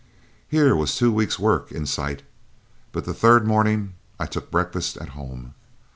Here was two weeks' work in sight, but the third morning I took breakfast at home.